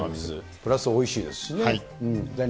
プラスおいしいですしね。